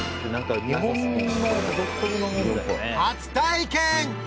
初体験！